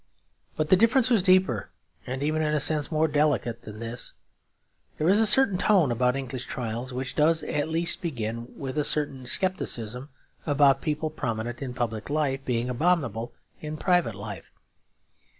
But the difference was deeper, and even in a sense more delicate than this. There is a certain tone about English trials, which does at least begin with a certain scepticism about people prominent in public life being abominable in private life.